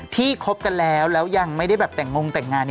คบกันแล้วแล้วยังไม่ได้แบบแต่งงแต่งงาน